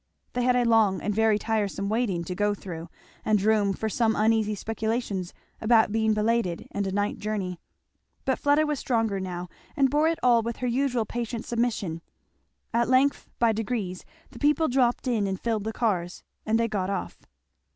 They had a long, very tiresome waiting to go through, and room for some uneasy speculations about being belated and a night journey. But Fleda was stronger now, and bore it all with her usual patient submission. At length, by degrees the people dropped in and filled the cars, and they get off.